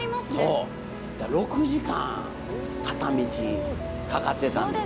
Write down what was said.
そう６時間片道かかってたんです。